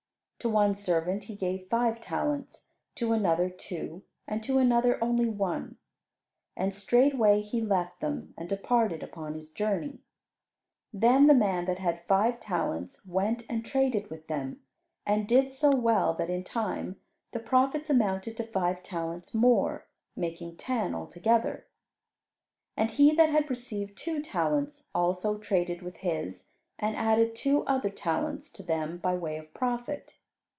To one servant he gave five talents, to another two, and to another only one. And straightway he left them, and departed upon his journey. Then the man that had five talents went and traded with them, and did so well that in time the profits amounted to five talents more, making ten altogether. And he that had received two talents, also traded with his, and added two other talents to them by way of profit.